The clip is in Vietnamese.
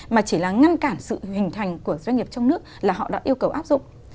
mà chỉ là ngăn cản sự hình thành của doanh nghiệp trong nước là họ đã yêu cầu áp dụng